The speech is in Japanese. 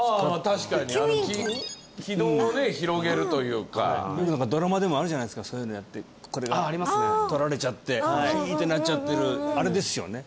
確かに気道をね広げるというかドラマでもあるじゃないですかそういうのやってこれが取られちゃってヒーッてなっちゃってるあれですよね？